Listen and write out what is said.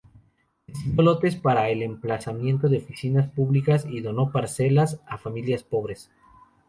Destinó lotes para el emplazamiento de oficinas públicas y donó parcelas a familias pobres.